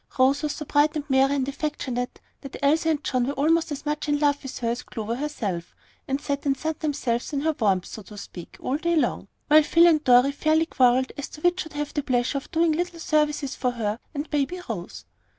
Rose was so bright and merry and affectionate that Elsie and John were almost as much in love with her as Clover herself, and sat and sunned themselves in her warmth, so to speak, all day long, while Phil and Dorry fairly quarrelled as to which should have the pleasure of doing little services for her and Baby Rose.